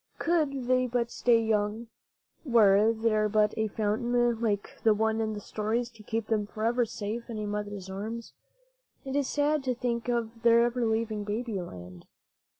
Could they but stay young! Were there but a fountain, like the one in these stories, to keep them forever safe in a mother's arms. It is sad to think of their ever leaving Baby land.